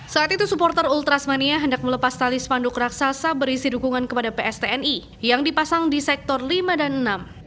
saat itu supporter ultrasmania hendak melepas tali spanduk raksasa berisi dukungan kepada pstni yang dipasang di sektor lima dan enam